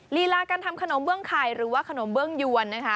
ลีลาการทำขนมเบื้องไข่หรือว่าขนมเบื้องยวนนะคะ